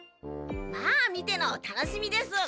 まあ見てのお楽しみです。